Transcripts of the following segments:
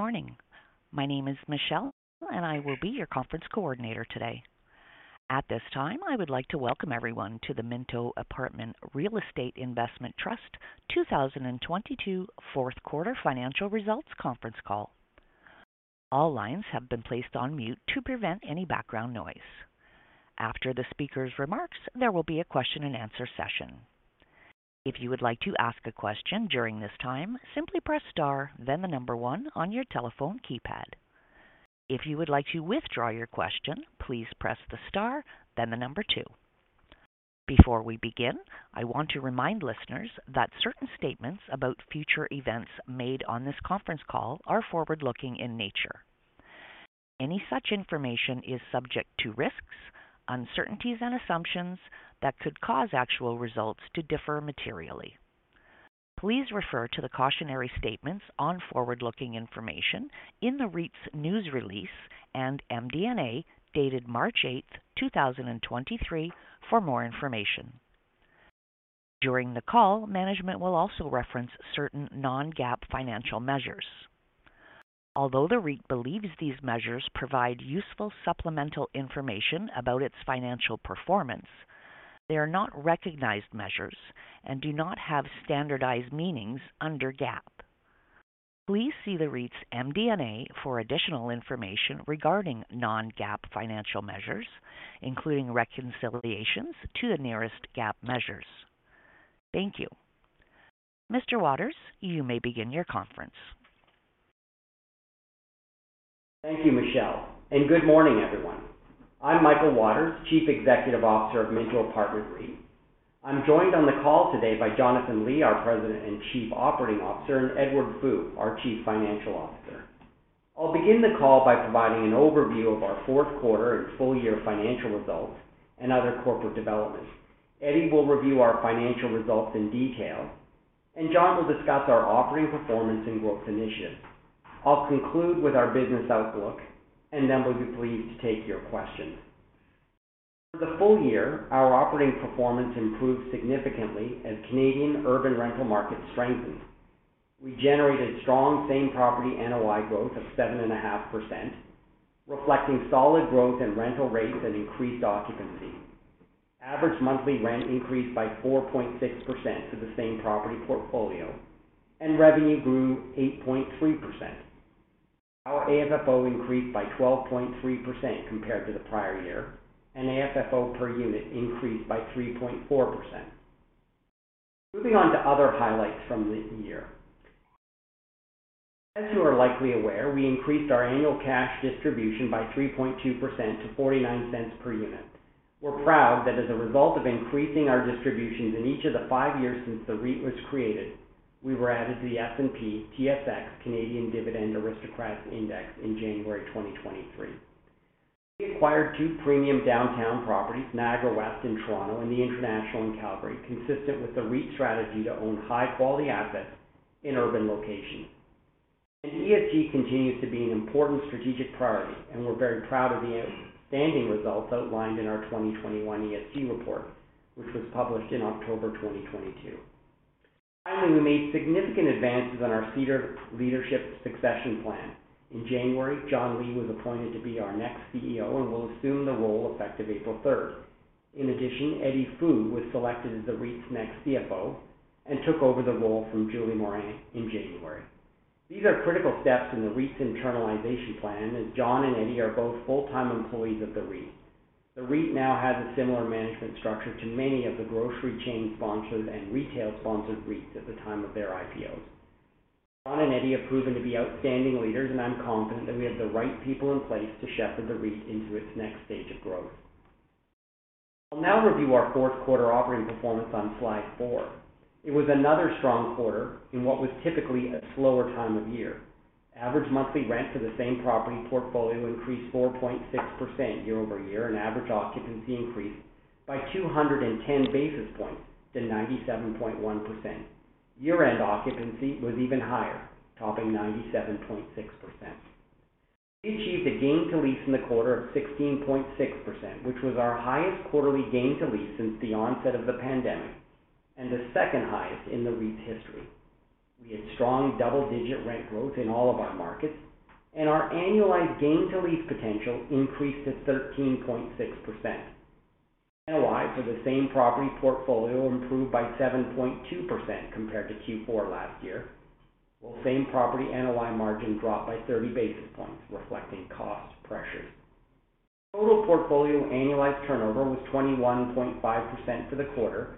Good morning. My name is Michelle, and I will be your conference coordinator today. At this time, I would like to welcome everyone to the Minto Apartment Real Estate Investment Trust 2022 fourth quarter financial results conference call. All lines have been placed on mute to prevent any background noise. After the speaker's remarks, there will be a question-and-answer session. If you would like to ask a question during this time, simply press star then the number one on your telephone keypad. If you would like to withdraw your question, please press the star then the number two. Before we begin, I want to remind listeners that certain statements about future events made on this conference call are forward-looking in nature. Any such information is subject to risks, uncertainties, and assumptions that could cause actual results to differ materially. Please refer to the cautionary statements on forward-looking information in the REIT's news release and MD&A dated March 8, 2023 for more information. During the call, management will also reference certain non-GAAP financial measures. Although the REIT believes these measures provide useful supplemental information about its financial performance, they are not recognized measures and do not have standardized meanings under GAAP. Please see the REIT's MD&A for additional information regarding non-GAAP financial measures, including reconciliations to the nearest GAAP measures. Thank you. Mr. Waters, you may begin your conference. Thank you, Michelle. Good morning, everyone. I'm Michael Waters, Chief Executive Officer of Minto Apartment REIT. I'm joined on the call today by Jonathan Li, our President and Chief Operating Officer, and Edward Fu, our Chief Financial Officer. I'll begin the call by providing an overview of our fourth quarter and full-year financial results and other corporate developments. Eddie will review our financial results in detail. Jon will discuss our operating performance and growth initiatives. I'll conclude with our business outlook. We'll be pleased to take your questions. For the full-year, our operating performance improved significantly as Canadian urban rental markets strengthened. We generated strong same-property NOI growth of 7.5%, reflecting solid growth in rental rates and increased occupancy. Average monthly rent increased by 4.6% for the same-property portfolio and revenue grew 8.3%. Our AFFO increased by 12.3% compared to the prior year, and AFFO per unit increased by 3.4%. Moving on to other highlights from the year. As you are likely aware, we increased our annual cash distribution by 3.2% to 0.49 per unit. We're proud that as a result of increasing our distributions in each of the five years since the REIT was created, we were added to the S&P/TSX Canadian Dividend Aristocrats Index in January 2023. We acquired two premium downtown properties, Niagara West in Toronto and the International in Calgary, consistent with the REIT's strategy to own high-quality assets in urban locations. ESG continues to be an important strategic priority, and we're very proud of the outstanding results outlined in our 2021 ESG report, which was published in October 2022. Finally, we made significant advances on our senior leadership succession plan. In January, Jon Li was appointed to be our next CEO and will assume the role effective April third. In addition, Eddie Fu was selected as the REIT's next CFO and took over the role from Julie Morin in January. These are critical steps in the REIT's internalization plan, as Jon and Eddie are both full-time employees of the REIT. The REIT now has a similar management structure to many of the grocery chain-sponsored and retail-sponsored REITs at the time of their IPOs. Jon and Eddie have proven to be outstanding leaders, and I'm confident that we have the right people in place to shepherd the REIT into its next stage of growth. I'll now review our fourth quarter operating performance on slide four. It was another strong quarter in what was typically a slower time of year. Average monthly rent for the Same Property Portfolio increased 4.6% year-over-year, and average occupancy increased by 210 basis points to 97.1%. Year-end occupancy was even higher, topping 97.6%. We achieved a gain-to-lease in the quarter of 16.6%, which was our highest quarterly gain-to-lease since the onset of the pandemic and the second highest in the REIT's history. We had strong double-digit rent growth in all of our markets, and our annualized gain-to-lease potential increased to 13.6%. NOI for the Same Property Portfolio improved by 7.2% compared to Q4 last year, while same property NOI margin dropped by 30 basis points, reflecting cost pressures. Total portfolio annualized turnover was 21.5% for the quarter,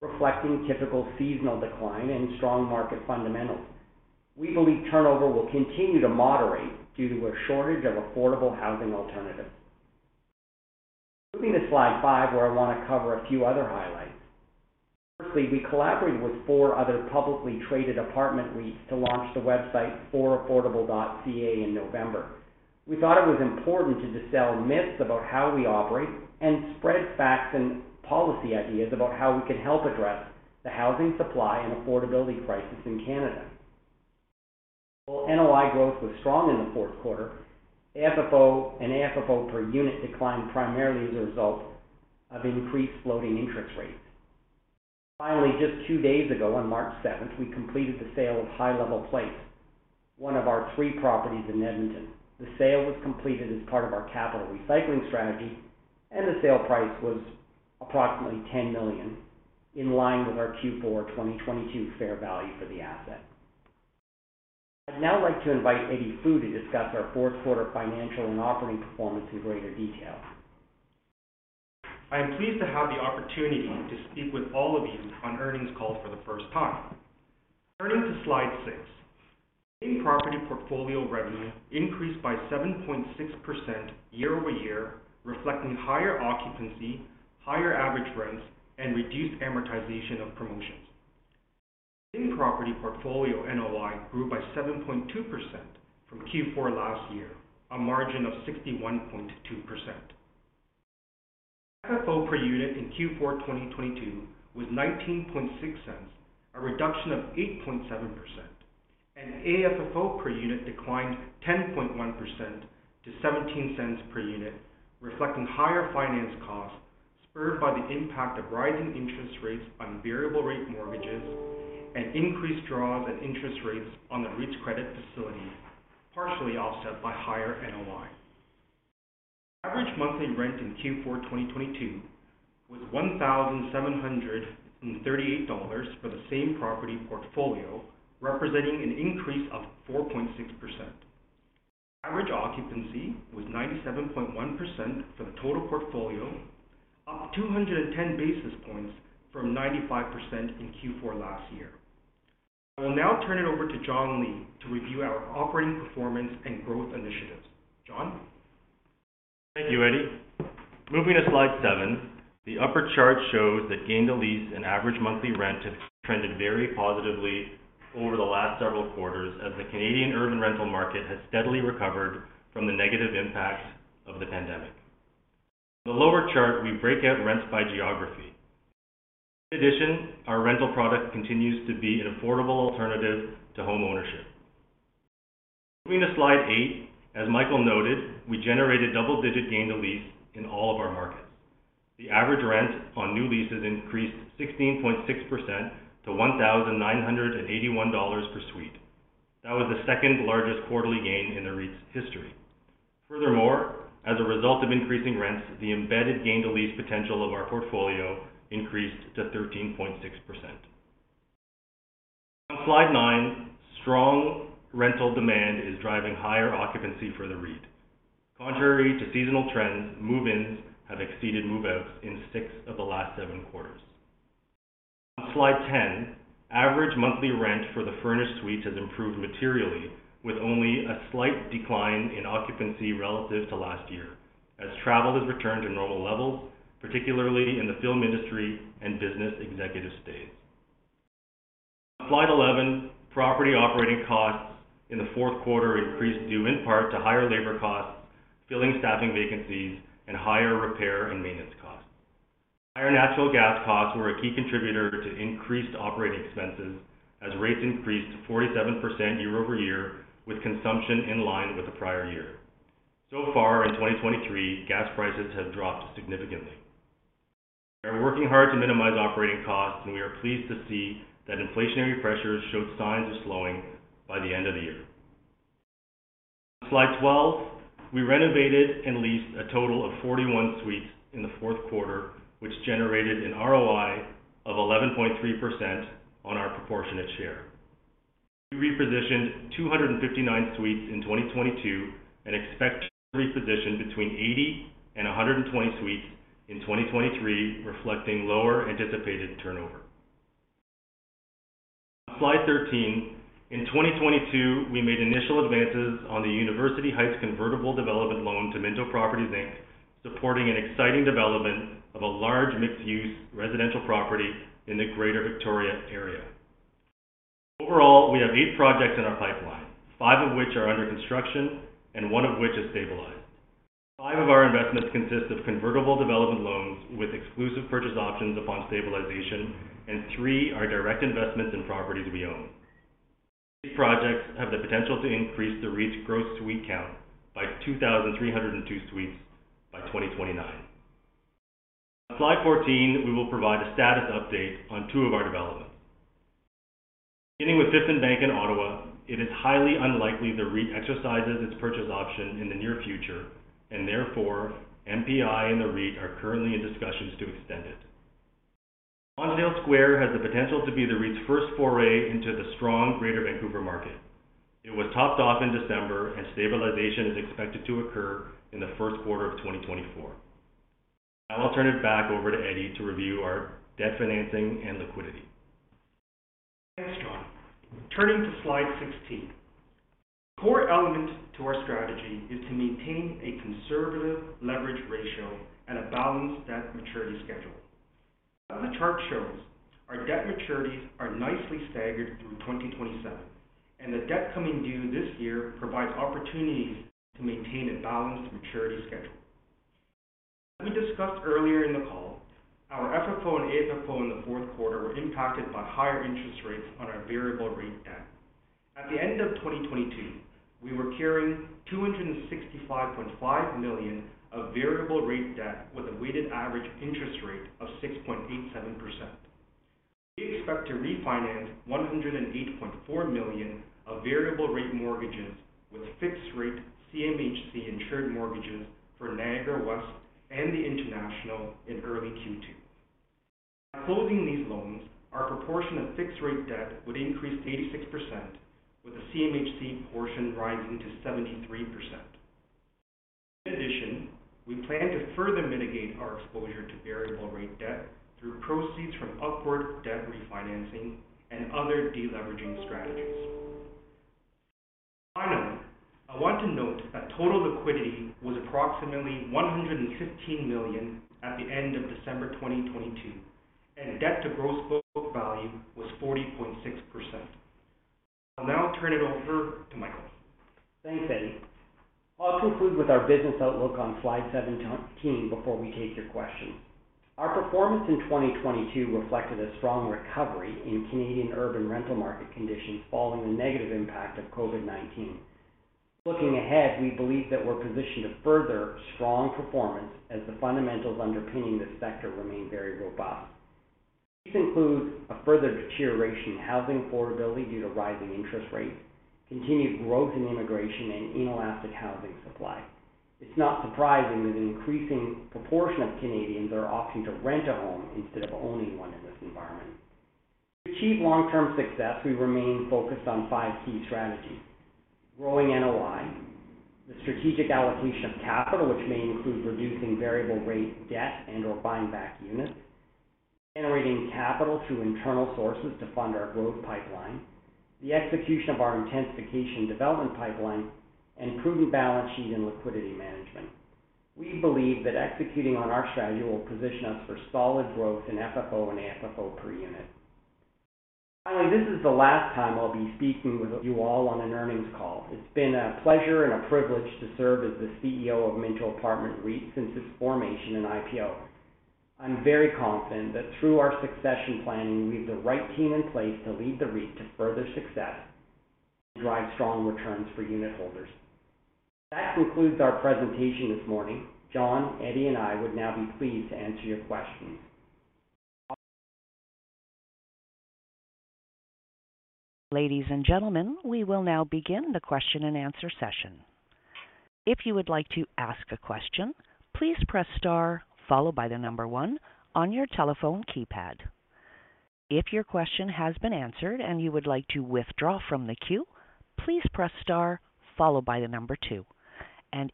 reflecting typical seasonal decline and strong market fundamentals. We believe turnover will continue to moderate due to a shortage of affordable housing alternatives. Moving to slide five, where I want to cover a few other highlights. Firstly, we collaborated with four other publicly traded apartment REITs to launch the website ForAffordable.ca in November. We thought it was important to dispel myths about how we operate and spread facts and policy ideas about how we can help address the housing supply and affordability crisis in Canada. While NOI growth was strong in the fourth quarter, AFFO and AFFO per unit declined primarily as a result of increased floating interest rates. Finally, just two days ago, on March 7, we completed the sale of High Level Place, one of our three properties in Edmonton. The sale was completed as part of our capital recycling strategy, and the sale price was approximately 10 million in line with our Q4 2022 fair value for the asset. I'd now like to invite Eddie Fu to discuss our fourth quarter financial and operating performance in greater detail. I am pleased to have the opportunity to speak with all of you on earnings call for the first time. Turning to slide six. Same property portfolio revenue increased by 7.6% year-over-year, reflecting higher occupancy, higher average rents, and reduced amortization of promotions. Same property portfolio NOI grew by 7.2% from Q4 last year, a margin of 61.2%. FFO per unit in Q4 2022 was 0.196, a reduction of 8.7%, and AFFO per unit declined 10.1% to 0.17 per unit, reflecting higher finance costs, spurred by the impact of rising interest rates on variable rate mortgages and increased draws and interest rates on the REIT's credit facility, partially offset by higher NOI. Average monthly rent in Q4 2022 was 1,738 dollars for the same property portfolio, representing an increase of 4.6%. Average occupancy was 97.1% for the total portfolio, up 210 basis points from 95% in Q4 last year. I will now turn it over to Jonathan Li to review our operating performance and growth initiatives. Jon. Thank you, Eddie. Moving to slide seven. The upper chart shows that gain-to-lease and average monthly rent has trended very positively over the last several quarters as the Canadian urban rental market has steadily recovered from the negative impacts of the pandemic. In the lower chart, we break out rents by geography. In addition, our rental product continues to be an affordable alternative to home ownership. Moving to slide eight, as Michael noted, we generated double-digit gain-to-lease in all of our markets. The average rent on new leases increased 16.6% to 1,981 dollars per suite. That was the second-largest quarterly gain in the REIT's history. Furthermore, as a result of increasing rents, the embedded gain-to-lease potential of our portfolio increased to 13.6%. On slide nine, strong rental demand is driving higher occupancy for the REIT. Contrary to seasonal trends, move-ins have exceeded move-outs in six of the last seven quarters. On slide 10, average monthly rent for the furnished suite has improved materially, with only a slight decline in occupancy relative to last year, as travel has returned to normal levels, particularly in the film industry and business executive stays. On slide 11, property operating costs in the fourth quarter increased due in part to higher labor costs, filling staffing vacancies, and higher repair and maintenance costs. Higher natural gas costs were a key contributor to increased operating expenses as rates increased 47% year-over-year with consumption in line with the prior year. So far in 2023, gas prices have dropped significantly. We are working hard to minimize operating costs. We are pleased to see that inflationary pressures showed signs of slowing by the end of the year. On slide 12, we renovated and leased a total of 41 suites in the fourth quarter, which generated an ROI of 11.3% on our proportionate share. We repositioned 259 suites in 2022 and expect to reposition between 80 and 120 suites in 2023, reflecting lower anticipated turnover. On slide 13, in 2022, we made initial advances on the University Heights convertible development loan to Minto Properties Inc, supporting an exciting development of a large mixed-use residential property in the Greater Victoria area. Overall, we have eight projects in our pipeline, five of which are under construction and one of which is stabilized. Five of our investments consist of convertible development loans with exclusive purchase options upon stabilization, and three are direct investments in properties we own. These projects have the potential to increase the REIT's gross suite count by 2,302 suites by 2029. On slide 14, we will provide a status update on two of our developments. Beginning with Fifth + Bank in Ottawa, it is highly unlikely the REIT exercises its purchase option in the near future, and therefore, MPI and the REIT are currently in discussions to extend it. Lonsdale Square has the potential to be the REIT's first foray into the strong greater Vancouver market. It was topped off in December, and stabilization is expected to occur in the first quarter of 2024. I will turn it back over to Eddie to review our debt financing and liquidity. Thanks, Jon. Turning to slide 16. A core element to our strategy is to maintain a conservative leverage ratio and a balanced debt maturity schedule. As the chart shows, our debt maturities are nicely staggered through 2027, and the debt coming due this year provides opportunities to maintain a balanced maturity schedule. As we discussed earlier in the call, our FFO and AFFO in the fourth quarter were impacted by higher interest rates on our variable rate debt. At the end of 2022, we were carrying 265.5 million of variable rate debt with a weighted average interest rate of 6.87%. We expect to refinance 108.4 million of variable rate mortgages with fixed-rate CMHC insured mortgages for Niagara West and the International in early Q2. By closing these loans, our proportion of fixed-rate debt would increase to 86%, with the CMHC portion rising to 73%. In addition, we plan to further mitigate our exposure to variable rate debt through proceeds from upward debt refinancing and other de-leveraging strategies. Finally, I want to note that total liquidity was approximately 115 million at the end of December 2022, and Debt-to-gross book value was 40.6%. I'll now turn it over to Michael. Thanks, Eddie. I'll conclude with our business outlook on slide 17 before we take your questions. Our performance in 2022 reflected a strong recovery in Canadian urban rental market conditions following the negative impact of COVID-19. Looking ahead, we believe that we're positioned to further strong performance as the fundamentals underpinning this sector remain very robust. These include a further deterioration in housing affordability due to rising interest rates, continued growth in immigration and inelastic housing supply. It's not surprising that an increasing proportion of Canadians are opting to rent a home instead of owning one in this environment. To achieve long-term success, we remain focused on five key strategies. Growing NOI, the strategic allocation of capital, which may include reducing variable rate debt and/or buying back units, generating capital through internal sources to fund our growth pipeline, the execution of our intensification development pipeline, and improving balance sheet and liquidity management. We believe that executing on our strategy will position us for solid growth in FFO and AFFO per unit. This is the last time I'll be speaking with you all on an earnings call. It's been a pleasure and a privilege to serve as the CEO of Minto Apartment REIT since its formation and IPO. I'm very confident that through our succession planning, we have the right team in place to lead the REIT to further success and drive strong returns for unitholders. That concludes our presentation this morning. Jon, Eddie, and I would now be pleased to answer your questions. Ladies and gentlemen, we will now begin the question-and-answer session. If you would like to ask a question, please press star followed by one on your telephone keypad. If your question has been answered and you would like to withdraw from the queue, please press star followed by two.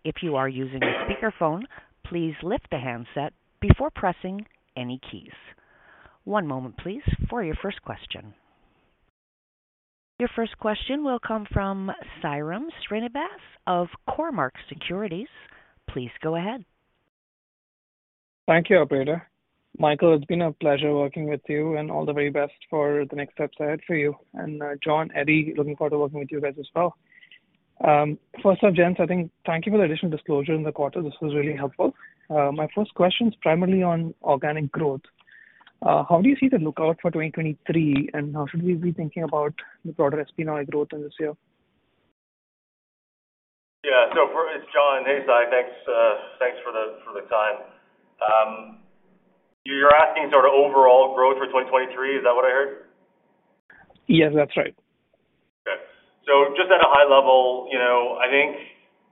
If you are using a speakerphone, please lift the handset before pressing any keys. One moment, please, for your first question. Your first question will come from Sairam Srinivas of Cormark Securities. Please go ahead. Thank you, operator. Michael, it's been a pleasure working with you and all the very best for the next steps ahead for you. Jon, Eddie, looking forward to working with you guys as well. First up, gents, I think thank you for the additional disclosure in the quarter. This was really helpful. My first question is primarily on organic growth. How do you see the lookout for 2023, and how should we be thinking about the broader SPP growth in this year? Yeah. It's Jon. Hey, Sai. Thanks for the time. You're asking sort of overall growth for 2023. Is that what I heard? Yes, that's right. Just at a High Level, you know, I think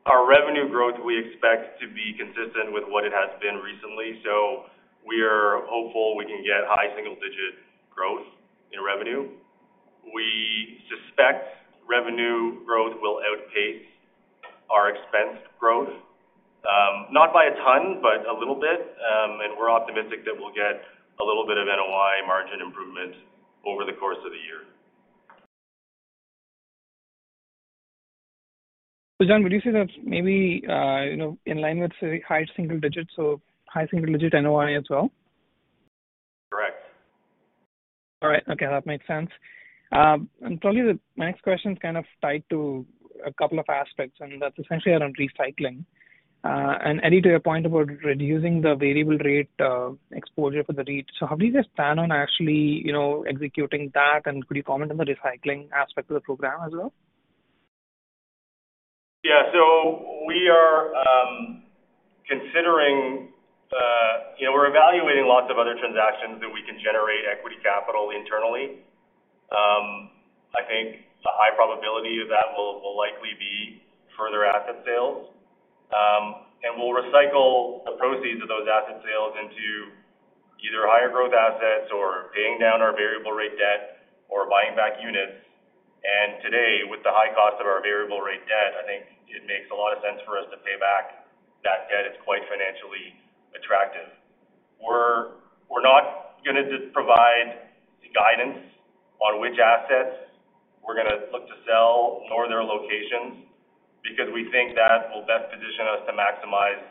our revenue growth, we expect to be consistent with what it has been recently. We are hopeful we can get high single-digit growth in revenue. We suspect revenue growth will outpace our expense growth, not by a ton, but a little bit. We're optimistic that we'll get a little bit of NOI margin improvement over the course of the year. Jonathan, would you say that's maybe, you know, in line with say high single digits, so high single-digit NOI as well? Correct. All right. Okay. That makes sense. Probably my next question is kind of tied to a couple of aspects, and that's essentially around recycling. Eddie, to your point about reducing the variable rate exposure for the REIT. How do you guys plan on actually, you know, executing that? Could you comment on the recycling aspect of the program as well? Yeah. We are, you know, considering, we're evaluating lots of other transactions that we can generate equity capital internally. I think the high probability of that will likely be further asset sales. We'll recycle the proceeds of those asset sales into either higher growth assets or paying down our variable rate debt or buying back units. Today, with the high cost of our variable rate debt, I think it makes a lot of sense for us to pay back. That debt is quite financially attractive. We're not gonna just provide guidance on which assets we're gonna look to sell, nor their locations, because we think that will best position us to maximize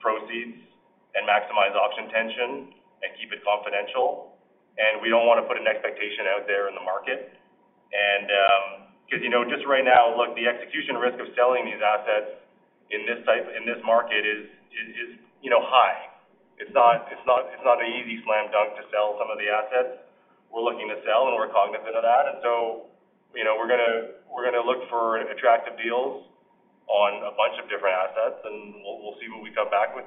proceeds and maximize auction tension and keep it confidential. We don't wanna put an expectation out there in the market. 'Cause, you know, just right now, look, the execution risk of selling these assets in this market is, you know, high. It's not an easy slam dunk to sell some of the assets we're looking to sell, and we're cognizant of that. You know, we're gonna look for attractive deals on a bunch of different assets. We'll see what we come back with.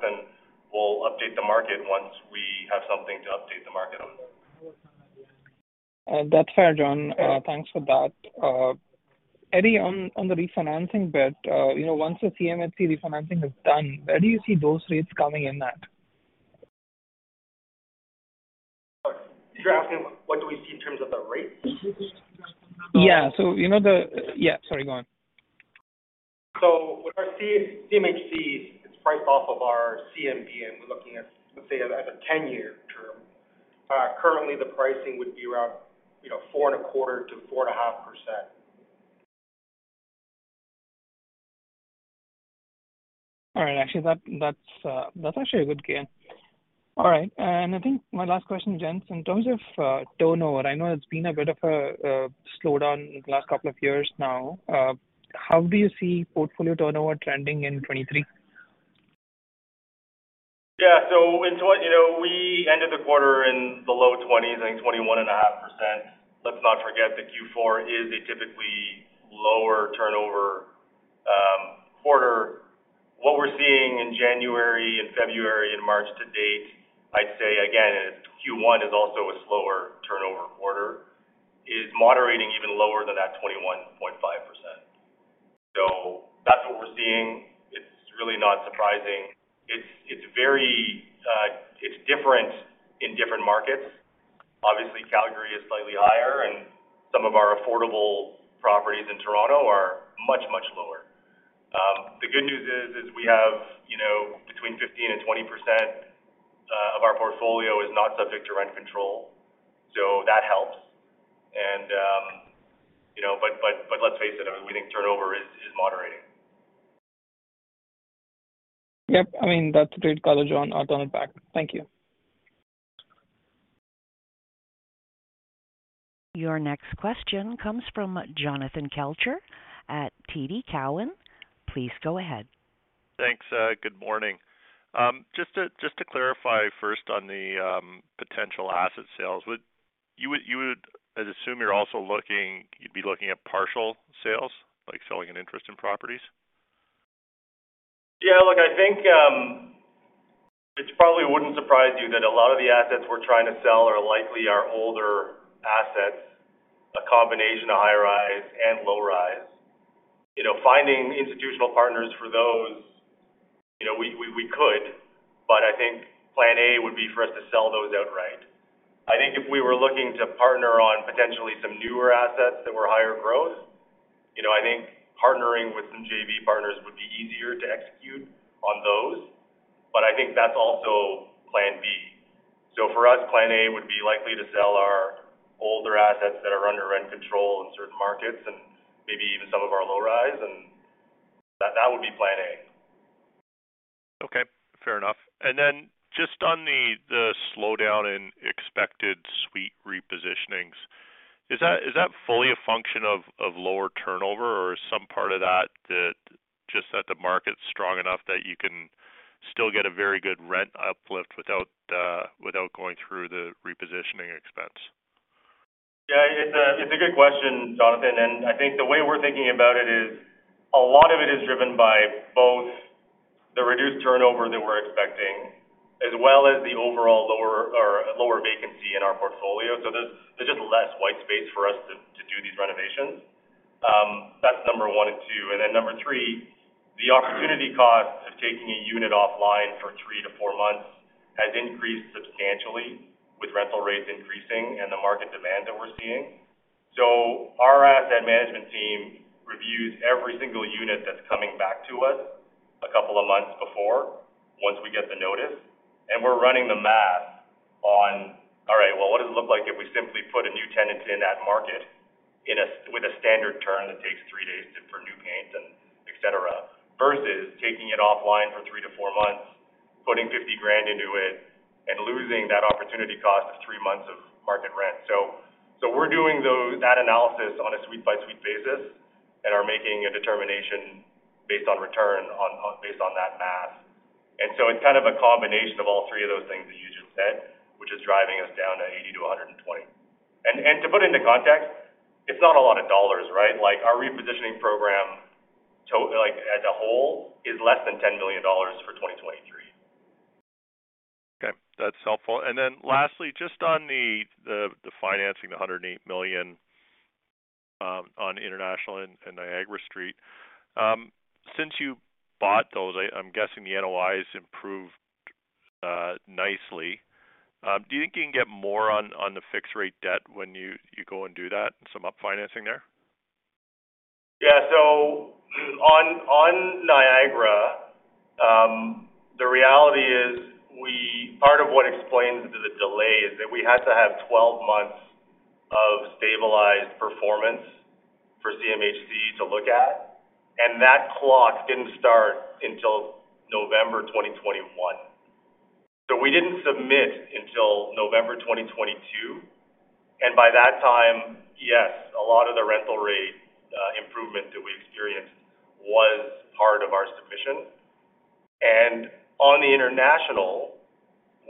We'll update the market once we have something to update the market on. That's fair, Jon. Thanks for that. Eddie, on the refinancing bit, you know, once the CMHC refinancing is done, where do you see those rates coming in at? You're asking what do we see in terms of the rates? Yeah. You know, yeah, sorry, go on. With our CMHC, it's priced off of our CMB, and we're looking at, let's say, as a 10-year term. Currently the pricing would be around, you know, 4.25%-4.5%. All right. Actually, that's actually a good gain. All right. I think my last question, gents, in terms of turnover, I know it's been a bit of a slowdown in the last couple of years now. How do you see portfolio turnover trending in 2023? Yeah. You know, we ended the quarter in the low 20s%, I think 21.5%. Let's not forget that Q4 is a typically lower turnover quarter. What we're seeing in January and February and March to date, I'd say again is Q1 is also a slower turnover quarter, is moderating even lower than that 21.5%. That's what we're seeing. It's really not surprising. It's very different in different markets. Obviously, Calgary is slightly higher, and some of our affordable properties in Toronto are much, much lower. The good news is, we have, you know, between 15% and 20% of our portfolio is not subject to rent control, so that helps. You know, but let's face it, I mean, we think turnover is moderating. Yep. I mean, that's a great color, Jon, I'll turn it back. Thank you. Your next question comes from Jonathan Kelcher at TD Cowen. Please go ahead. Thanks. Good morning. Just to clarify first on the potential asset sales. You'd be looking at partial sales, like selling an interest in properties? Look, I think it probably wouldn't surprise you that a lot of the assets we're trying to sell are likely our older assets, a combination of high-rise and low-rise. You know, finding institutional partners for those, you know, we could, but I think plan A would be for us to sell those outright. I think if we were looking to partner on potentially some newer assets that were higher growth, you know, I think partnering with some JV partners would be easier to execute on those. I think that's also plan B. For us, plan A would be likely to sell our older assets that are under rent control in certain markets and maybe even some of our low-rise, and that would be plan A. Okay. Fair enough. Just on the slowdown in expected suite repositionings, is that fully a function of lower turnover or is some part of that just that the market's strong enough that you can still get a very good rent uplift without going through the repositioning expense? Yeah. It's a good question, Jonathan. I think the way we're thinking about it is a lot of it is driven by both the reduced turnover that we're expecting as well as the overall lower vacancy in our portfolio. There's just less white space for us to do these renovations. That's number one and two. Number three, the opportunity costs of taking a unit offline for three to four months has increased substantially with rental rates increasing and the market demand that we're seeing. Our asset management team reviews every single unit that's coming back to us a couple of months before once we get the notice, and we're running the math on, all right, well, what does it look like if we simply put a new tenant in that market in a with a standard turn that takes three days for new paint and et cetera, versus taking it offline for 3-4 months, putting 50,000 into it and losing that opportunity cost of three months of market rent. We're doing that analysis on a suite by suite basis and are making a determination based on return on based on that math. It's kind of a combination of all 3 of those things that you just said which is driving us down to 80%-120%. To put it into context, it's not a lot of dollars, right? Like, our repositioning program like as a whole is less than 10 billion dollars for 2023. Okay. That's helpful. Lastly, just on the financing, the 108 million on International and Niagara Street. Since you bought those, I'm guessing the NOIs improved nicely. Do you think you can get more on the fixed rate debt when you go and do that and some up financing there? Yeah. On Niagara, the reality is part of what explains the delay is that we had to have 12 months of stabilized performance for CMHC to look at, and that clock didn't start until November 2021. We didn't submit until November 2022, and by that time, yes, a lot of the rental rate was part of our submission. On the international,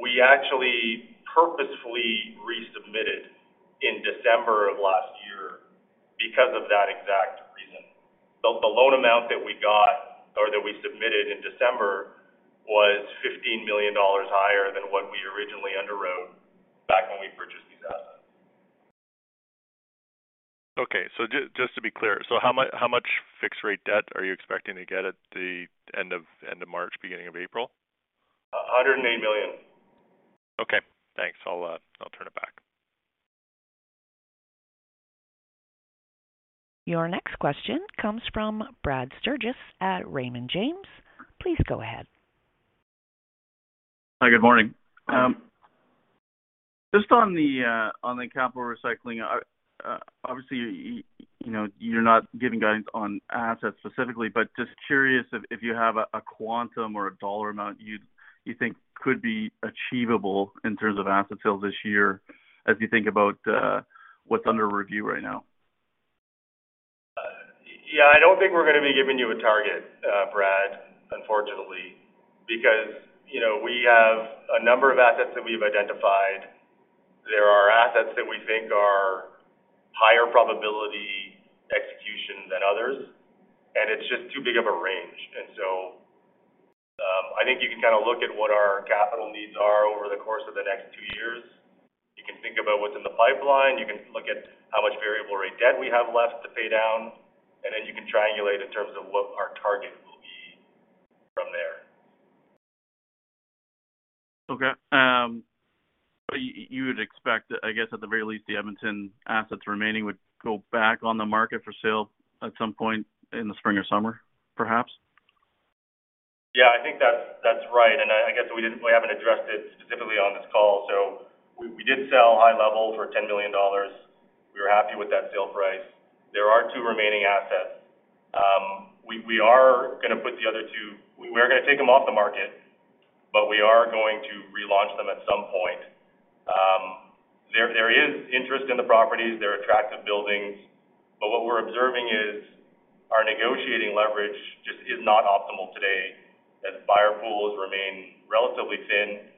we actually purposefully resubmitted in December of last year because of that exact reason. The, the loan amount that we got or that we submitted in December was 15 million dollars higher than what we originally underwrote back when we purchased these assets. Okay. Just to be clear, how much fixed rate debt are you expecting to get at the end of March, beginning of April? 108 million. Okay, thanks. I'll turn it back. Your next question comes from Brad Sturges at Raymond James. Please go ahead. Hi, good morning. Hi. Just on the capital recycling, obviously, you know, you're not giving guidance on assets specifically. Just curious if you have a quantum or a dollar amount you think could be achievable in terms of asset sales this year as you think about what's under review right now? Yeah, I don't think we're gonna be giving you a target, Brad, unfortunately, because, you know, we have a number of assets that we've identified. There are assets that we think are higher probability execution than others, it's just too big of a range. I think you can kind of look at what our capital needs are over the course of the next two years. You can think about what's in the pipeline. You can look at how much variable rate debt we have left to pay down, you can triangulate in terms of what our target will be from there. Okay. You would expect, I guess, at the very least, the Edmonton assets remaining would go back on the market for sale at some point in the spring or summer, perhaps? Yeah, I think that's right. I guess we haven't addressed it specifically on this call. We did sell High Level Place for 10 million dollars. We were happy with that sale price. There are two remaining assets. We are going to take them off the market, but we are going to relaunch them at some point. There is interest in the properties. They're attractive buildings. What we're observing is our negotiating leverage just is not optimal today as buyer pools remain relatively thin.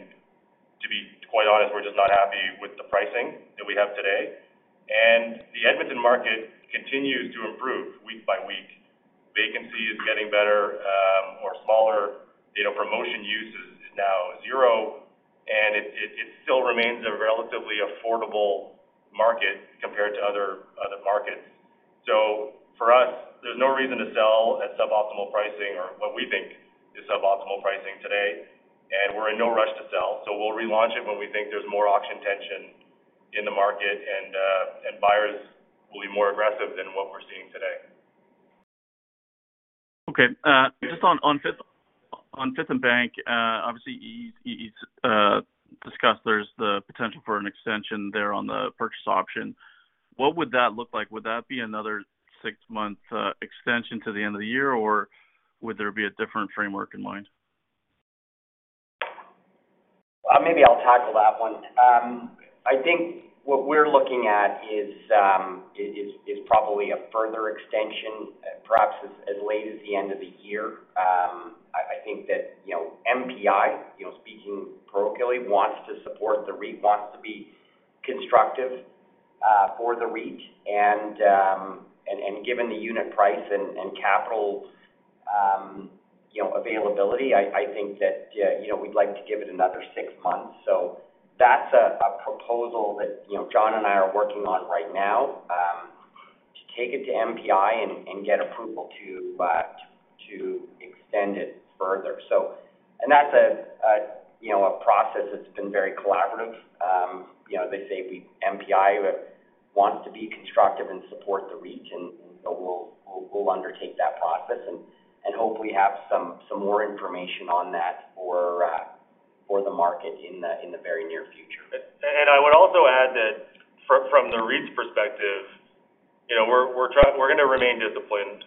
To be quite honest, we're just not happy with the pricing that we have today. The Edmonton market continues to improve week by week. Vacancy is getting better, more smaller. You know, promotion use is now zero, and it still remains a relatively affordable market compared to other markets. For us, there's no reason to sell at suboptimal pricing or what we think is suboptimal pricing today, and we're in no rush to sell. We'll relaunch it when we think there's more auction tension in the market and buyers will be more aggressive than what we're seeing today. Just on Fifth + Bank, obviously you discussed there's the potential for an extension there on the purchase option. What would that look like? Would that be another 6-month extension to the end of the year, or would there be a different framework in mind? Maybe I'll tackle that one. I think what we're looking at is probably a further extension, perhaps as late as the end of the year. I think that, you know, MPI, you know, speaking parochially, wants to support the REIT, wants to be constructive for the REIT. Given the unit price and capital, you know, availability, I think that, you know, we'd like to give it another six months. That's a proposal that, you know, Jon and I are working on right now to take it to MPI and get approval to extend it further. That's a, you know, a process that's been very collaborative. you know, as I say, MPI wants to be constructive and support the REIT, and so we'll undertake that process and hopefully have some more information on that for the market in the very near future. I would also add that from the REIT's perspective, you know, we're gonna remain disciplined.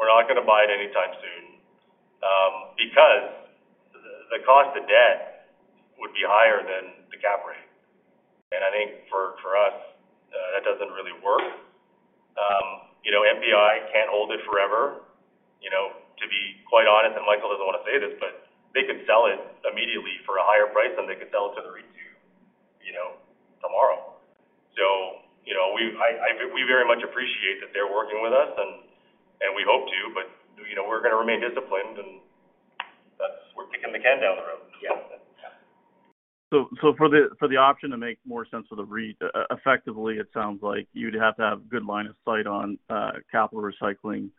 We're not gonna buy it anytime soon because the cost of debt would be higher than the cap rate. I think for us, that doesn't really work. You know, MPI can't hold it forever. You know, to be quite honest, and Michael doesn't want to say this, but they could sell it immediately for a higher price than they could sell it to the REIT too, you know, tomorrow. You know, we very much appreciate that they're working with us and we hope to, but, you know, we're gonna remain disciplined, and that's we're kicking the can down the road. Yeah. For the option to make more sense for the REIT, effectively, it sounds like you'd have to have good line of sight on capital recycling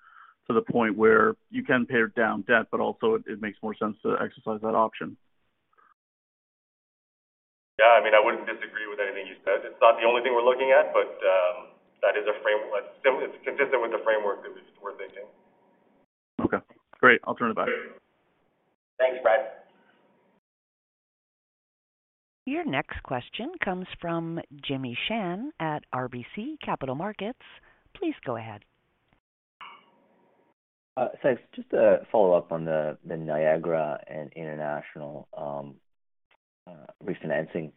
to the point where you can pay down debt, but also it makes more sense to exercise that option. I mean, I wouldn't disagree with anything you said. It's not the only thing we're looking at, but that's consistent with the framework that we're thinking. Okay, great. I'll turn it back. Thanks, Brad. Your next question comes from Jimmy Shan at RBC Capital Markets. Please go ahead. Thanks. Just to follow up on the Niagara and international refinancing.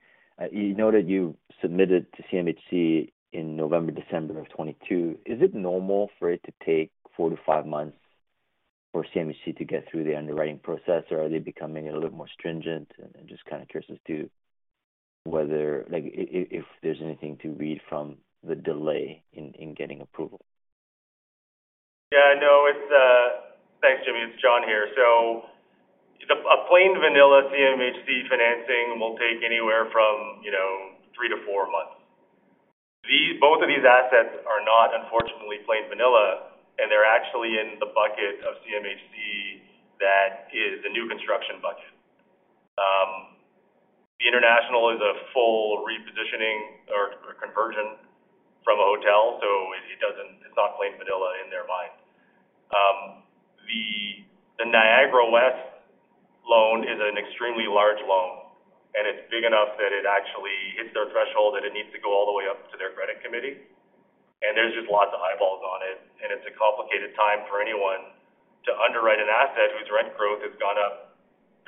You know that you submitted to CMHC in November, December of 2022. Is it normal for it to take four to five months for CMHC to get through the underwriting process, or are they becoming a little more stringent? I'm just kind of curious as to whether, like, if there's anything to read from the delay in getting approval. Yeah. No, it's. Thanks, Jimmy. It's Jon here. A plain vanilla CMHC financing will take anywhere from, you know, three to four months. Both of these assets are not, unfortunately, plain vanilla, and they're actually in the bucket of CMHC that is the new construction bucket. The International is a full repositioning or conversion from a hotel, so it's not plain vanilla in their mind. The Niagara West loan is an extremely large loan, and it's big enough that it actually hits their threshold that it needs to go all the way up to their credit committee. There's just lots of high balls on it, and it's a complicated time for anyone to underwrite an asset whose rent growth has gone up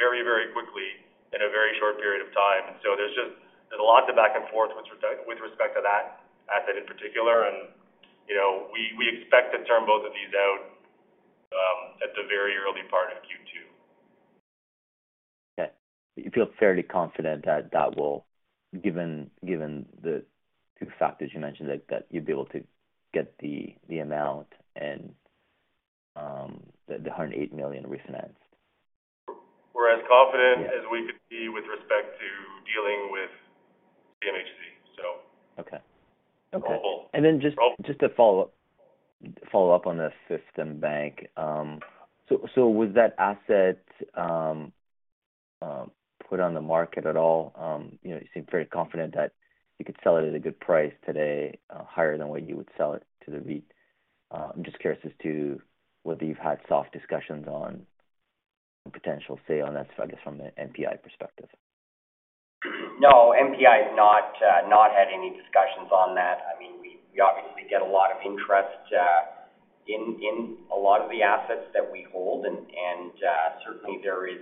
very, very quickly in a very short period of time. There's just been lots of back and forth with respect to that asset in particular. You know, we expect to term both of these out at the very early part of Q2. Yeah. You feel fairly confident that given the two factors you mentioned, that you'd be able to get the amount and the 108 million refinanced? We're as confident- Yeah. as we could be with respect to dealing with CMHC, so. Okay. Okay. Hopeful. just to follow up on the system bank. Was that asset put on the market at all? You know, you seem very confident that you could sell it at a good price today, higher than what you would sell it to the REIT. I'm just curious as to whether you've had soft discussions on potential sale, and that's I guess from the MPI perspective. No, NPI has not had any discussions on that. I mean, we obviously get a lot of interest in a lot of the assets that we hold and, certainly there is,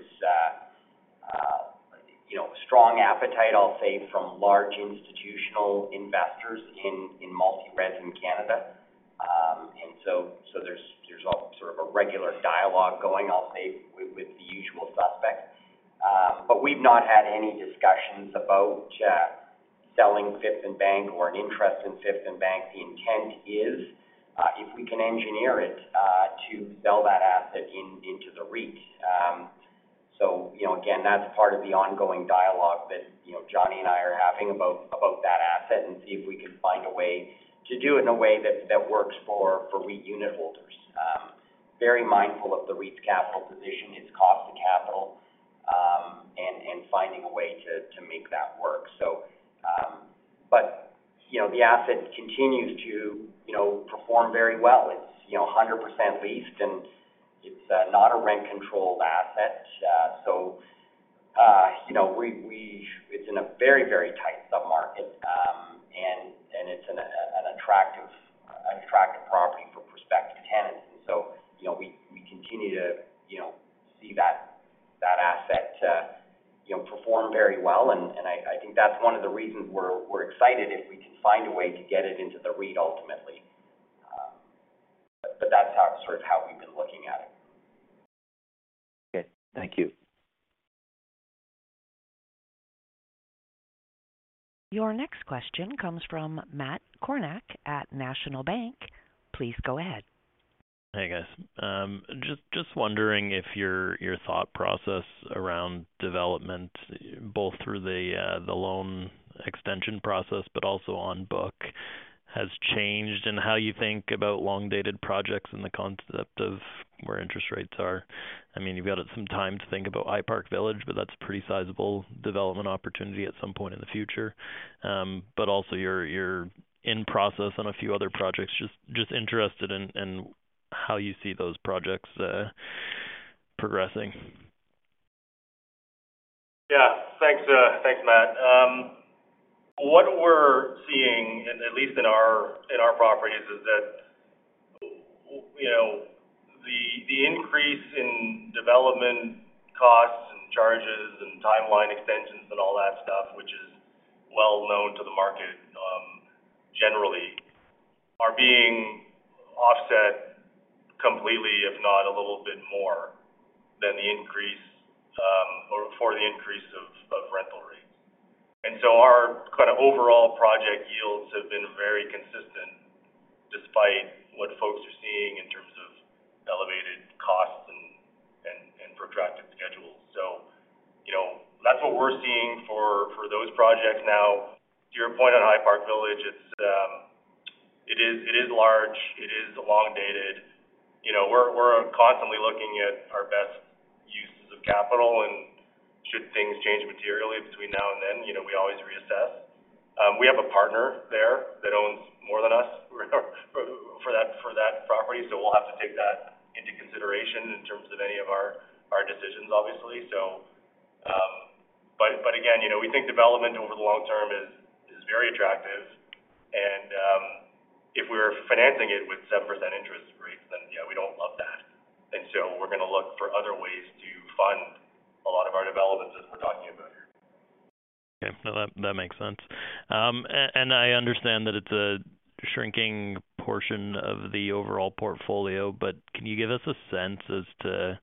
you know, strong appetite, I'll say, from large institutional investors in multi-res in Canada. There's all sort of a regular dialogue going, I'll say, with the usual suspects. We've not had any discussions about selling Fifth + Bank or an interest in Fifth + Bank. The intent is, if we can engineer it, to sell that asset into the REIT. You know, again, that's part of the ongoing dialogue that, you know, Jonny and I are having about that asset and see if we can find a way to do it in a way that works for REIT unitholders. Very mindful of the REIT's capital position, its cost of capital, and finding a way to make that work. You know, the asset continues to, you know, perform very well. It's, you know, 100% leased, and it's not a rent-controlled asset. It's in a very tight sub-market, and it's an attractive property for prospective tenants. You know, we continue to, you know, see that asset, you know, perform very well. I think that's one of the reasons we're excited if we can find a way to get it into the REIT ultimately. That's sort of how we've been looking at it. Okay. Thank you. Your next question comes from Matt Kornack at National Bank. Please go ahead. Hey, guys. Just wondering if your thought process around development, both through the loan extension process but also on book, has changed in how you think about long-dated projects and the concept of where interest rates are. I mean, you've got some time to think about High Park Village, but that's a pretty sizable development opportunity at some point in the future. Also you're in process on a few other projects. Just interested in how you see those projects progressing. Yeah. Thanks, thanks, Matt. What we're seeing, and at least in our properties, is that, you know, the increase in development costs and charges and timeline extensions and all that stuff, which is well known to the market, generally are being offset completely, if not a little bit more than the increase, or for the increase of rental rates. Our kind of overall project yields have been very consistent despite what folks are seeing in terms of elevated costs and protracted schedules. You know, that's what we're seeing for those projects. To your point on High Park Village, it's, it is large. It is long-dated. You know, we're constantly looking at our best uses of capital. Should things change materially between now and then, you know, we always reassess. We have a partner there that owns more than us for that property, so we'll have to take that into consideration in terms of any of our decisions, obviously. Again, you know, we think development over the long term is very attractive. If we were financing it with 7% interest. We're gonna look for other ways to fund a lot of our developments as we're talking about here. Okay. No, that makes sense. And I understand that it's a shrinking portion of the overall portfolio, but can you give us a sense as to,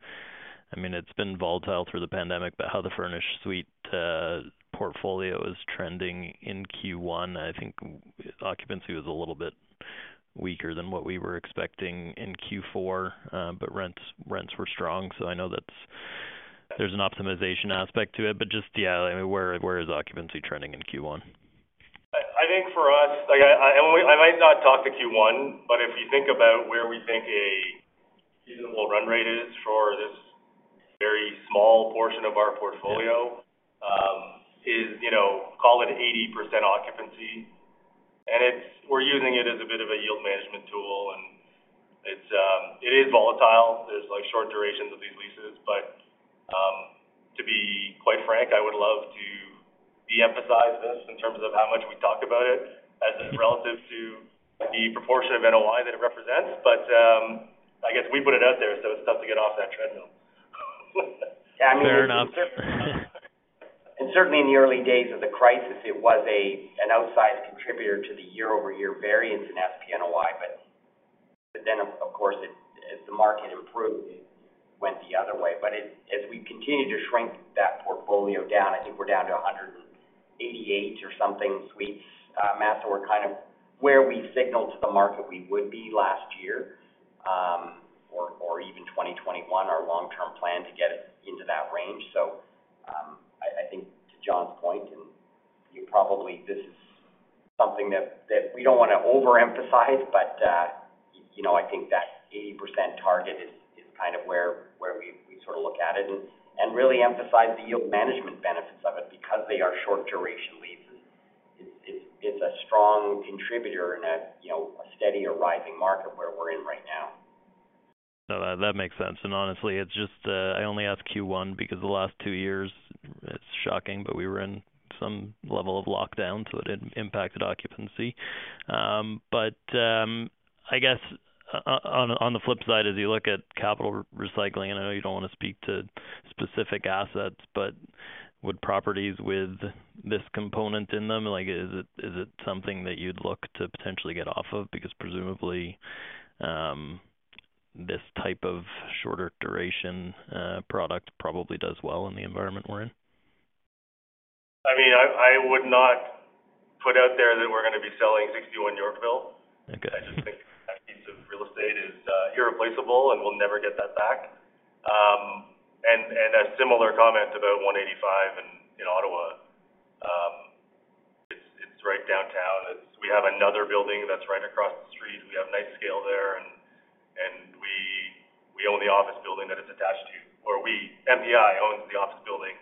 I mean, it's been volatile through the pandemic, but how the furnished suite portfolio is trending in Q1? I think occupancy was a little bit weaker than what we were expecting in Q4, but rents were strong, so I know that's there's an optimization aspect to it. Just, yeah, I mean, where is occupancy trending in Q1? I think for us, like I might not talk to Q1, but if you think about where we think a reasonable run rate is for this very small portion of our portfolio, is, you know, call it 80% occupancy. We're using it as a bit of a yield management tool. It is volatile. There's like short durations of these leases. To be quite frank, I would love to de-emphasize this in terms of how much we talk about it as it's relative to the proportion of NOI that it represents. I guess we put it out there, so it's tough to get off that treadmill. Fair enough. Certainly in the early days of the crisis, it was an outsized contributor to the year-over-year variance in FPNOI. Then of course, as the market improved, it went the other way. As we continue to shrink that portfolio down, I think we're down to 188 or something suites, Matt, so we're kind of where we signaled to the market we would be last year, or even 2021, our long-term plan to get into that range. I think to Jon's point, and you probably... This is something that we don't wanna overemphasize, but you know, I think that 80% target is kind of where we sort of look at it and really emphasize the yield management benefits of it because they are short duration leases. It's a strong contributor in a, you know, a steady or rising market where we're in right now. No, that makes sense. Honestly, it's just, I only ask Q1 because the last two years it's shocking. We were in some level of lockdown, so it had impacted occupancy. I guess on the, on the flip side, as you look at capital recycling, I know you don't wanna speak to specific assets. Would properties with this component in them, like is it something that you'd look to potentially get off of? Presumably, this type of shorter duration product probably does well in the environment we're in. I mean, I would not put out there that we're gonna be selling 61 Yorkville. Okay. I just think that piece of real estate is irreplaceable, and we'll never get that back. A similar comment about 185 in Ottawa. It's right downtown. We have another building that's right across the street. We have nice scale there and we own the office building that it's attached to. We, MPI owns the office building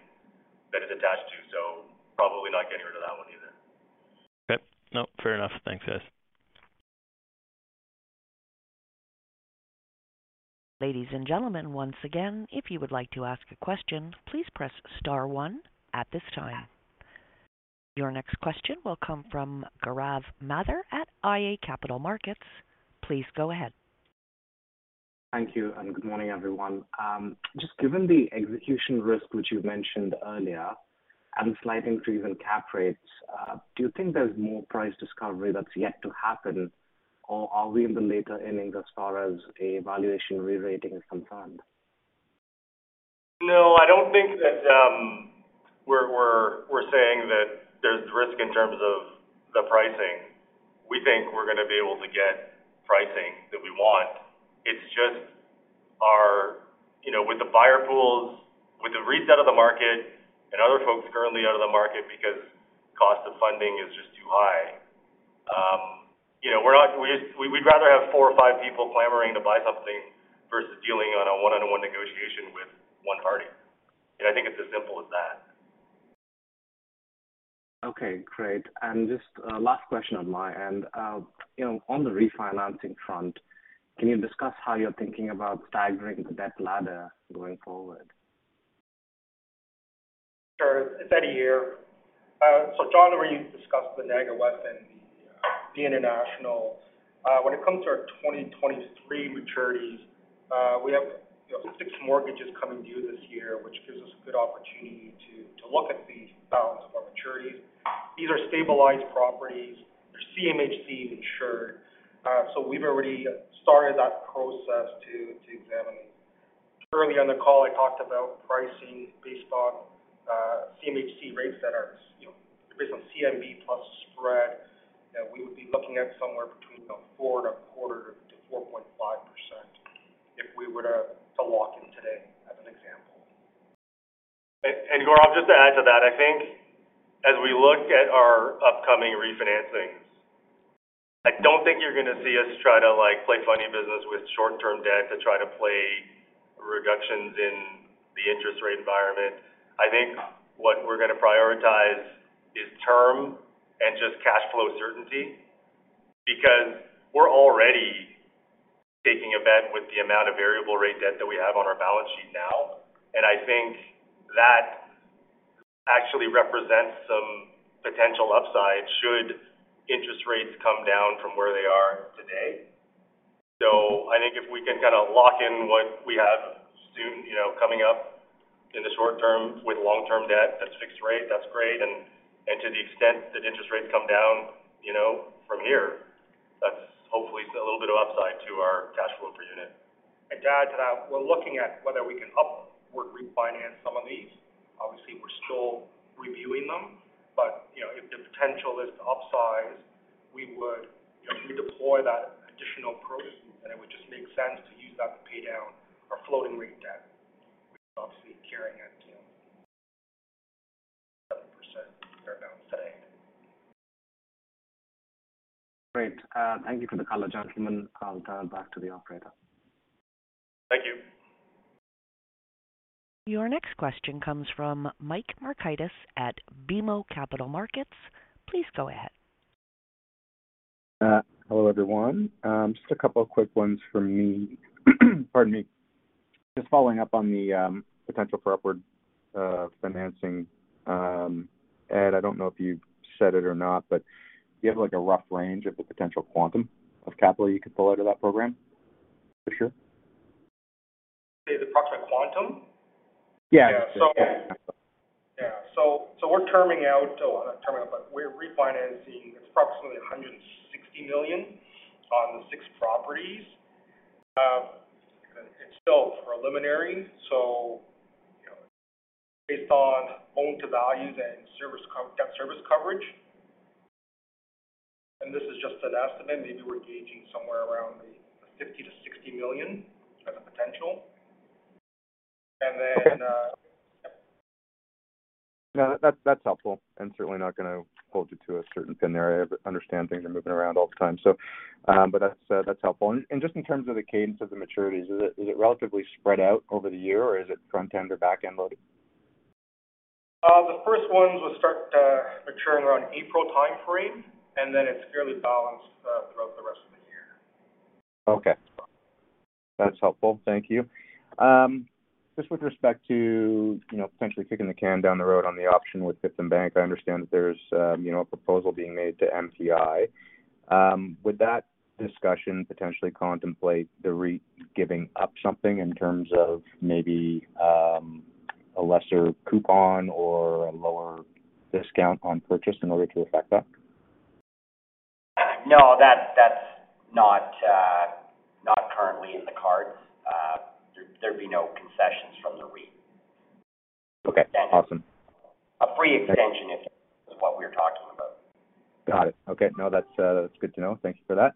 that it's attached to, probably not getting rid of that one either. Okay. No, fair enough. Thanks, guys. Ladies and gentlemen, once again, if you would like to ask a question, please press star one at this time. Your next question will come from Gaurav Mathur at iA Capital Markets. Please go ahead. Thank you, good morning, everyone. Just given the execution risk which you mentioned earlier and slight increase in cap rates, do you think there's more price discovery that's yet to happen, or are we in the later innings as far as a valuation rerating is concerned? No, I don't think that we're saying that there's risk in terms of the pricing. We think we're gonna be able to get pricing that we want. It's just our. You know, with the buyer pools, with the reset of the market and other folks currently out of the market because cost of funding is just too high, you know, we'd rather have four or five people clamoring to buy something versus dealing on a one-on-one negotiation with one party. I think it's as simple as that. Okay, great. Just a last question on my end. You know, on the refinancing front, can you discuss how you're thinking about staggering the debt ladder going forward? Sure. It's Eddie here. Jon, where you discussed the Niagara West and the international, when it comes to our 2023 maturities, we have, you know, six mortgages coming due this year, which gives us a good opportunity to look at the balance of our maturities. These are stabilized properties. They're CMHC insured. We've already started that process to examine. Earlier in the call, I talked about pricing based on CMHC rates that are you know, based on CMB plus spread, that we would be looking at somewhere between, you know, 4.25%-4.5% if we were to lock in today, as an example. Gaurav, just to add to that, I think as we look at our upcoming refinancings, I don't think you're gonna see us try to like play funny business with short-term debt to try to play reductions in the interest rate environment. I think what we're gonna prioritize is term and just cash flow certainty because we're already taking a bet with the amount of variable rate debt that we have on our balance sheet now. Potential upside should interest rates come down from where they are today. I think if we can kind of lock in what we have soon, you know, coming up in the short term with long-term debt that's fixed rate, that's great. To the extent that interest rates come down, you know, from here, that's hopefully a little bit of upside to our cash flow per unit. To add to that, we're looking at whether we can upward refinance some of these. Obviously, we're still reviewing them, but, you know, if the potential is to upsize, we would redeploy that additional proceeds, and it would just make sense to use that to pay down our floating rate debt. We're obviously carrying it, you know, 7% right now today. Great. Thank you for the color, gentlemen. I'll turn it back to the operator. Thank you. Your next question comes from Michael Markidis at BMO Capital Markets. Please go ahead. Hello, everyone. Just a couple of quick ones from me. Pardon me. Just following up on the potential for upward financing. Edward Fu, I don't know if you said it or not, but do you have, like, a rough range of the potential quantum of capital you could pull out of that program for sure? The approximate quantum? Yeah. We're terming out, but we're refinancing. It's approximately 160 million on the six properties. It's still preliminary, you know, based on loan-to-values and debt service coverage. This is just an estimate. Maybe we're gauging somewhere around 50 million-60 million as a potential. No, that's helpful and certainly not gonna hold you to a certain pin there. I understand things are moving around all the time. But that's helpful. And just in terms of the cadence of the maturities, is it relatively spread out over the year, or is it front-end or back-end loaded? The first ones will start maturing around April timeframe, and then it's fairly balanced throughout the rest of the year. Okay. That's helpful. Thank you. Just with respect to, you know, potentially kicking the can down the road on the option with Fifth + Bank, I understand that there's, you know, a proposal being made to MPI. Would that discussion potentially contemplate the REIT giving up something in terms of maybe, a lesser coupon or a lower discount on purchase in order to effect that? No. That's not currently in the cards. There'd be no concessions from the REIT. Okay. Awesome. A free extension is what we're talking about. Got it. Okay. No, that's good to know. Thank you for that.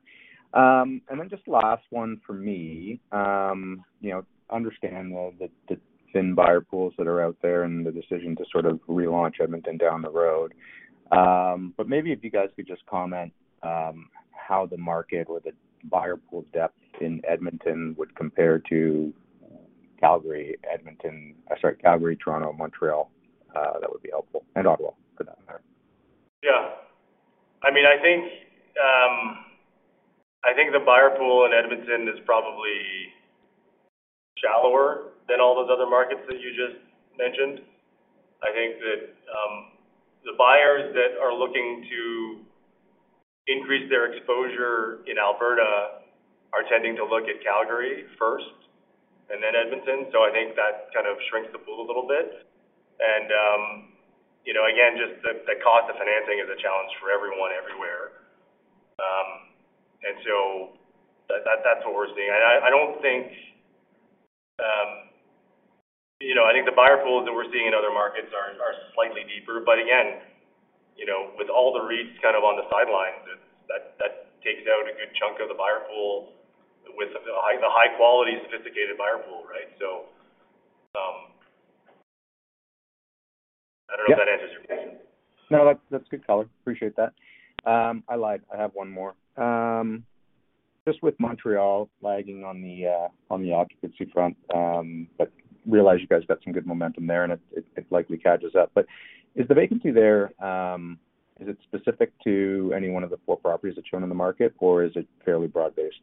Then just last one for me. You know, understand all the thin buyer pools that are out there and the decision to sort of relaunch Edmonton down the road. Maybe if you guys could just comment, how the market with the buyer pool depth in Edmonton would compare to Calgary, Edmonton. I'm sorry, Calgary, Toronto, Montreal, that would be helpful. Ottawa for that matter. Yeah. I mean, I think, I think the buyer pool in Edmonton is probably shallower than all those other markets that you just mentioned. I think that, the buyers that are looking to increase their exposure in Alberta are tending to look at Calgary first and then Edmonton. I think that kind of shrinks the pool a little bit. You know, again, just the cost of financing is a challenge for everyone everywhere. That's what we're seeing. I don't think, you know, I think the buyer pools that we're seeing in other markets are slightly deeper. Again, you know, with all the REITs kind of on the sidelines, that takes out a good chunk of the buyer pool with the high-quality, sophisticated buyer pool, right? I don't know if that answers your question. No, that's good color. Appreciate that. I lied. I have one more. just with Montreal lagging on the on the occupancy front, but realize you guys have got some good momentum there, and it likely catches up. Is the vacancy there, is it specific to any one of the four properties that you own in the market, or is it fairly broad-based?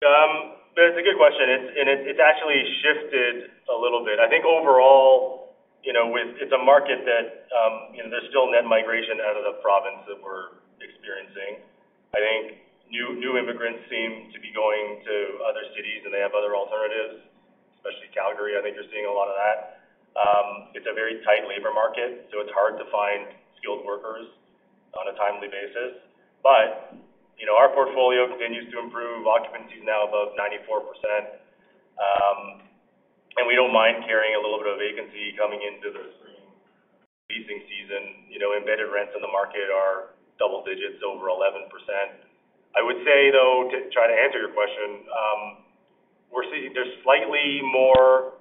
That's a good question. It's actually shifted a little bit. I think overall, you know, it's a market that, you know, there's still net migration out of the province that we're experiencing. I think new immigrants seem to be going to other cities, and they have other alternatives, especially Calgary. I think you're seeing a lot of that. It's a very tight labor market, so it's hard to find skilled workers on a timely basis. You know, our portfolio continues to improve. Occupancy is now above 94%. We don't mind carrying a little bit of vacancy coming into the leasing season. You know, embedded rents in the market are double digits over 11%. I would say, though, to try to answer your question, we're seeing there's slightly more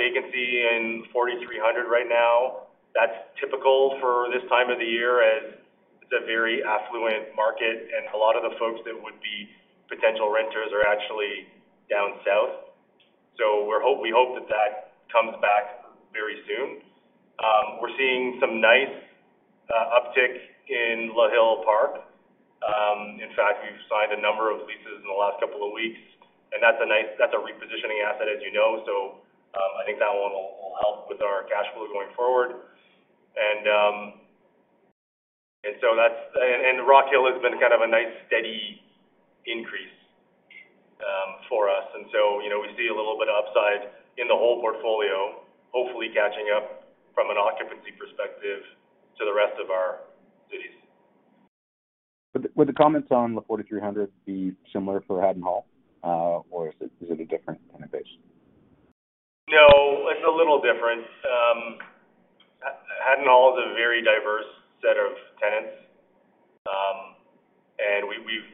vacancy in Le 4300 right now. That's typical for this time of the year as it's a very affluent market, and a lot of the folks that would be potential renters are actually down south. We hope that that comes back very soon. We're seeing some nice uptick in Le Hill-Park. In fact, we've signed a number of leases in the last couple of weeks, and that's a repositioning asset, as you know. I think that one will help with our cash flow going forward. Rockhill has been kind of a nice, steady increase for us. you know, we see a little bit of upside in the whole portfolio, hopefully catching up from an occupancy perspective to the rest of our cities. Would the comments on the Le 4300 be similar for Haddon Hall, or is it a different kind of base? No, it's a little different. Haddon Hall is a very diverse set of tenants.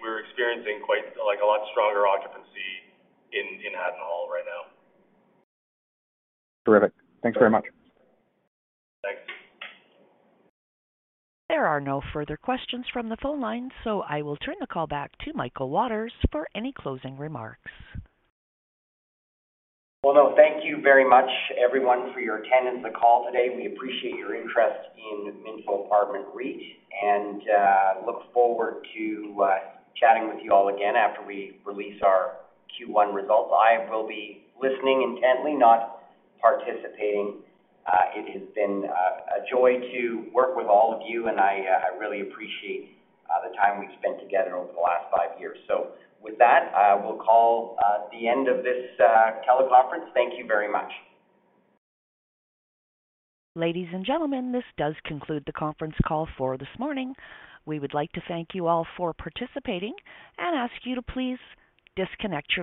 We're experiencing quite, like, a lot stronger occupancy in Haddon Hall right now. Terrific. Thanks very much. Thanks. There are no further questions from the phone line, so I will turn the call back to Michael Waters for any closing remarks. No, thank you very much, everyone, for your attendance on the call today. We appreciate your interest in Minto Apartment REIT and look forward to chatting with you all again after we release our Q1 results. I will be listening intently, not participating. It has been a joy to work with all of you, and I really appreciate the time we've spent together over the last five years. With that, we'll call the end of this teleconference. Thank you very much. Ladies and gentlemen, this does conclude the conference call for this morning. We would like to thank you all for participating and ask you to please disconnect your lines.